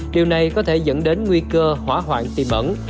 điều này có thể dẫn đến nguy cơ hỏa hoạn tìm ẩn